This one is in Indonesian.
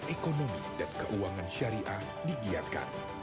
ekonomi dan keuangan syariah digiatkan